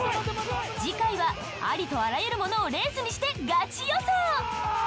次回はありとあらゆるものをレースにしてガチ予想！